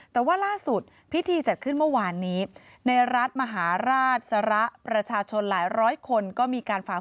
แต่ว่าล่าสุดพิธีจัดขึ้นเมื่อวานนี้รัฐมหาราชรัชชนละ๑๐๐คนก็ผ่าฝืนคำสั่ง